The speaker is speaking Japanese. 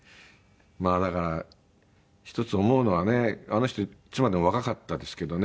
まあだから一つ思うのはねあの人いつまでも若かったですけどね。